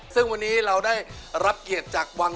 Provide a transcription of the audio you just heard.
ซึ่งวันนี้เราได้รับเกียรติจากวัง